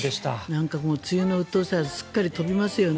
なんか梅雨のうっとうしさが飛びますよね。